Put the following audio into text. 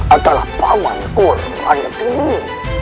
adalah paman kurban negeri